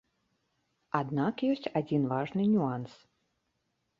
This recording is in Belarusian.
Аднак ёсць адзін важны нюанс.